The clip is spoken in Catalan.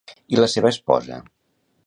I la seva esposa?